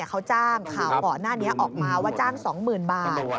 เขาจ้างข่าวก่อนหน้านี้ออกมาว่าจ้าง๒๐๐๐บาท